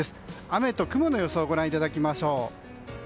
雨と雲の予想をご覧いただきましょう。